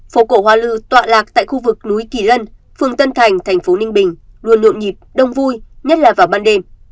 phố cổ hoa lư tọa lạc tại khu vực núi kỳ lân phường tân thành thành phố ninh bình luôn nhộn nhịp đông vui nhất là vào ban đêm